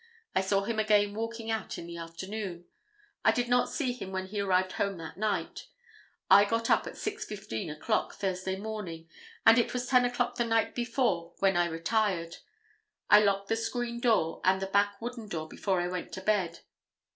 I saw him again walking out in the afternoon. I did not see him when he arrived home that night. I got up at 6:15 o'clock Thursday morning, and it was 10 o'clock the night before when I retired. I locked the screen door and the back wooden door before I went to bed.